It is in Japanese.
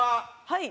はい。